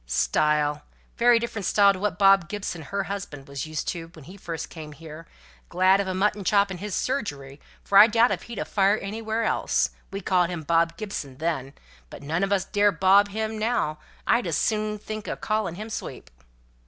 "Style! very different style to what Bob Gibson, her husband, was used to when first he came here, glad of a mutton chop in his surgery, for I doubt if he'd a fire anywhere else; we called him Bob Gibson then, but none on us dare Bob him now; I'd as soon think o' calling him sweep!"